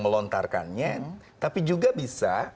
melontarkannya tapi juga bisa